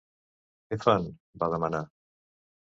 Què fan? —va demanar.